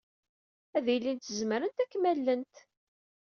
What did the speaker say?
Ad ilint zemrent ad kem-allent.